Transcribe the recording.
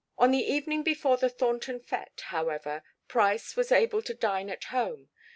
On the evening before the Thornton fête, however, Price was able to dine at home.